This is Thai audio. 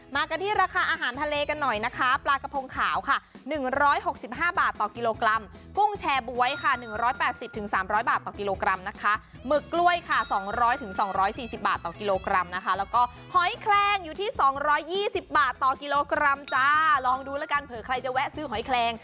มากันที่ราคาอาหารทะเลกันหน่อยนะคะปลากระพงขาวค่ะหนึ่งร้อยหกสิบห้าบาทต่อกิโลกรัม